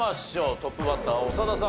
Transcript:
トップバッター長田さん